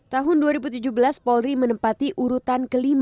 tahun dua ribu tujuh belas polri menempati urutan ke lima